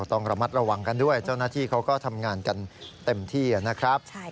ต้องระมัดระวังกันด้วยเจ้าหน้าที่เขาก็ทำงานกันเต็มที่นะครับ